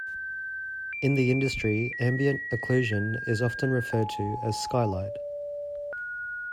In the industry, ambient occlusion is often referred to as "sky light".